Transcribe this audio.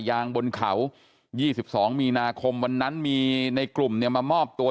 ยางบนเขา๒๒มีนาคมวันนั้นมีในกลุ่มเนี่ยมามอบตัว